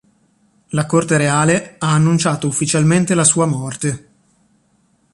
La Corte Reale ha annunciato ufficialmente la sua morte.